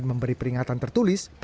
kita ini karena orang muslim